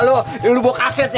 nih udah lu bawa kaset ya